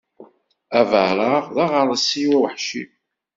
Abareɣ d aɣersiw aweḥci.